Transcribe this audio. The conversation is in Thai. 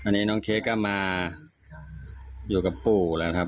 อันนี้น้องเค้กก็มาอยู่กับปู่แล้วครับ